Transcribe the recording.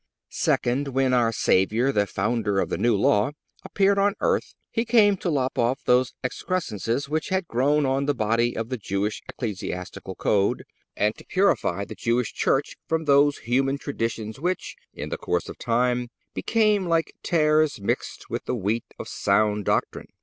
Second—When our Savior, the Founder of the New Law, appeared on earth, He came to lop off those excrescences which had grown on the body of the Jewish ecclesiastical code, and to purify the Jewish Church from those human traditions which, in the course of time, became like tares mixed with the wheat of sound doctrine.